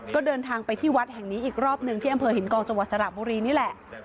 ก็เดินทางไปที่วัดแห่งนี้อีกรอบหนึ่งที่อำเภอหินกองจังหวัดสระบุรีนี่แหละ